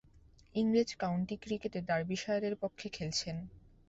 ইংরেজ কাউন্টি ক্রিকেটে ডার্বিশায়ারের পক্ষে খেলছেন।